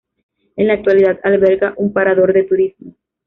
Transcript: En la actualidad alberga un Parador de Turismo.